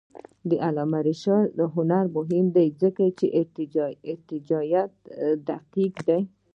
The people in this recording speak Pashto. د علامه رشاد لیکنی هنر مهم دی ځکه چې ارجاعات دقیق دي.